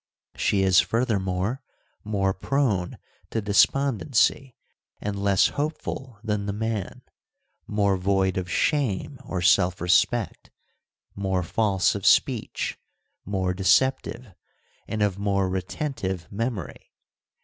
She is, furthermore, more prone to despondency and less hopeful than the man, more void of shame or self respect, more false of speech, more deceptive, and of more retentive memory.